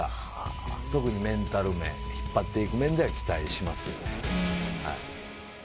特にメンタル面引っ張っていく面では期待しますよね。